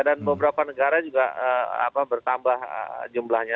dan beberapa negara juga bertambah jumlahnya